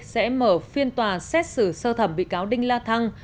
sẽ mở phiên tòa xét xử sơ thẩm bị cáo đinh la thăng